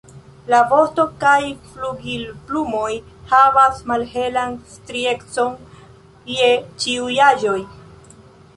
La vosto kaj flugilplumoj havas malhelan striecon je ĉiuj aĝoj.